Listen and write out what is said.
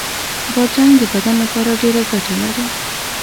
بادرنګ د بدن لپاره ډېره ګټه لري.